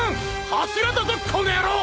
柱だぞこの野郎！